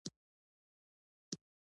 احمد د خپلو ورڼو په مټ تکیه وهلې ده.